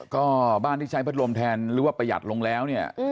ก็บ้านที่ใช้พัดลมแทนหรือว่าประหยัดลงแล้วเนี่ย